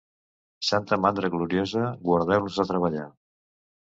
Santa mandra gloriosa, guardeu-nos de treballar.